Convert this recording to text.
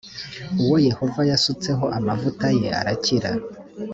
uwo yehova yasutseho amavuta ye arakira